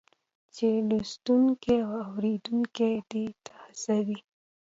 چې لوستونکی او اورېدونکی دې ته هڅوي